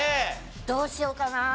どうしようかな。